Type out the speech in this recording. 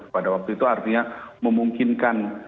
pada waktu itu artinya memungkinkan